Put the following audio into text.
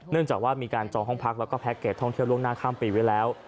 จากว่ามีการจองห้องพักแล้วก็แพ็กเกจท่องเที่ยวล่วงหน้าข้ามปีไว้แล้ว